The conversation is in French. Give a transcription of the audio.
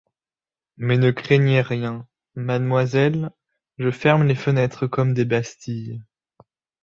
Mais ne craignez rien, mademoiselle, je ferme les fenêtres comme des bastilles.